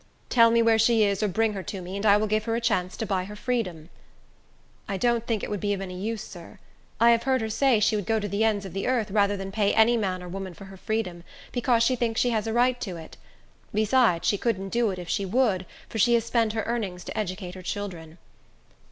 "Tell me where she is, or bring her to me, and I will give her a chance to buy her freedom." "I don't think it would be of any use, sir. I have heard her say she would go to the ends of the earth, rather than pay any man or woman for her freedom, because she thinks she has a right to it. Besides, she couldn't do it, if she would, for she has spent her earnings to educate her children."